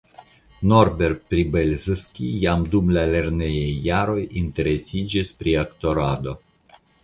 Norbert Pribelszki jam dum la lernejaj jaroj interesiĝis pri aktorado.